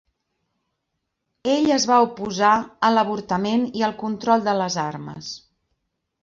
Ell es va oposar a l'avortament i al control de les armes.